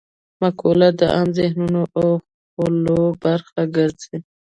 مقوله د عام ذهنونو او خولو برخه ګرځي